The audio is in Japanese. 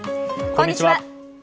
こんにちは。